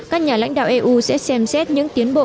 các nhà lãnh đạo eu sẽ xem xét những tiến bộ